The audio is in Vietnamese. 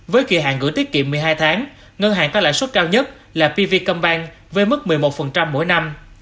với kỳ hạng gửi tiết kiệm một mươi hai tháng ngân hàng có lãi suất cao nhất là pv combank với mức một mươi một mỗi năm